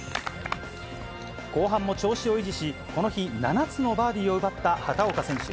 後半も調子を維持し、この日、７つのバーディーを奪った畑岡選手。